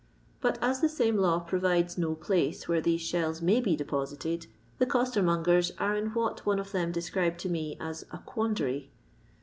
But as the same law provides no place where these shells may be ' deposited, the costermongers are in what one of them described to me as "a quandary."